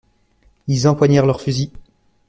Ils empoignèrent leurs fusils.